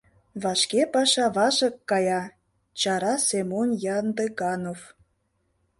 — Вашке паша важык кая! — чара Семон Яндыганов.